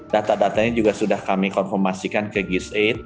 data datanya juga sudah kami konfirmasikan ke gisaid